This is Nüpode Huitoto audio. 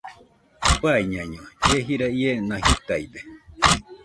Faiñaño, ie jira iena jitaide